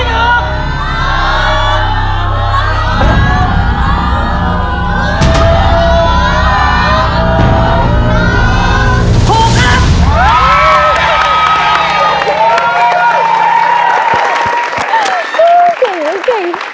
เจ๋งเลยเจ๋งเลย